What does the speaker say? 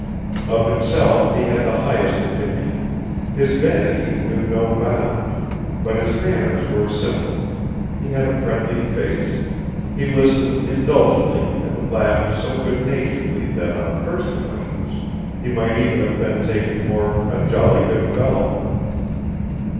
Of himself he had the highest opinion, his vanity knew no bounds, but his manners were simple, he had a friendly face, he listened indulgently and laughed so good naturedly that on first acquaintance he might even have been taken for "a jolly good fellow."